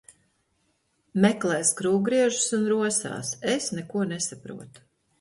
Meklē skrūvgriežus un rosās. Es neko nesaprotu.